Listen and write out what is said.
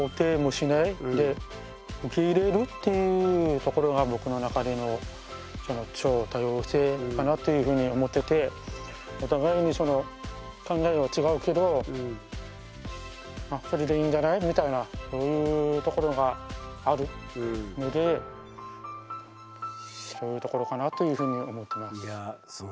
っていうところが僕の中での超多様性かなっていうふうに思っててお互いに考えは違うけどまあこれでいいんじゃない？みたいなというところがあるのでそういうところかなというふうに思ってます。